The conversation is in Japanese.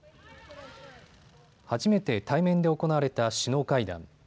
初めて対面で行われた首脳会談。